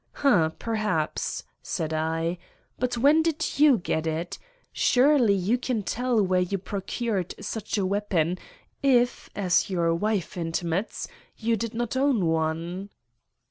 "Hum, perhaps," said I; "but where did you get it. Surely you can tell where you procured such a weapon, if, as your wife intimates, you did not own one."